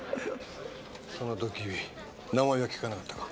その時に名前は聞かなかったか？